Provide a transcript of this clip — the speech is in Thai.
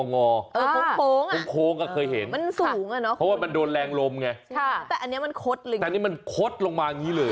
คงโค้งอ่ะเคยเห็นเพราะว่ามันโดนแรงลมไงแต่อันนี้มันคดลงมาอย่างนี้เลย